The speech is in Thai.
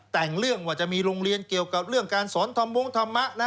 แต่งเรื่องว่าจะมีโรงเรียนเกี่ยวกับเรื่องการสอนธรรมมงธรรมะนะ